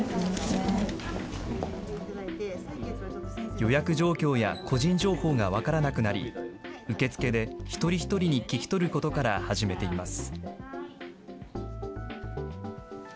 予約状況や個人情報が分からなくなり、受付で一人一人に聞き取ることから始めています。